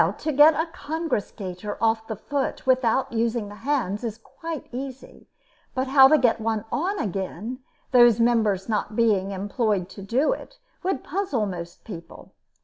To get a congress gaiter off the foot without using the hands is quite easy; but how to get one on again, those members not being employed to do it, would puzzle most people.